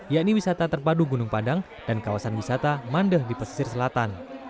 yakni wisata terpadu gunung padang dan kawasan wisata mandeh di pesisir selatan